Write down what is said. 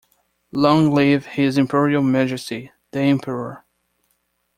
Long live His Imperial Majesty, the Emperor!